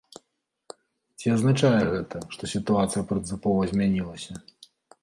Ці азначае гэта, што сітуацыя прынцыпова змянілася?